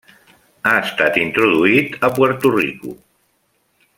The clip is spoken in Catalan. Ha estat introduït a Puerto Rico.